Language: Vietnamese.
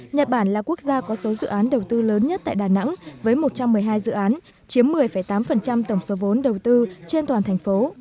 nhật bản là quốc gia có số dự án đầu tư lớn nhất tại đà nẵng với một trăm một mươi hai dự án chiếm một mươi tám tổng số vốn đầu tư trên toàn thành phố